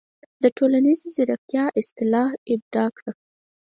د"ټولنیزې زیرکتیا" اصطلاح ابداع کړه.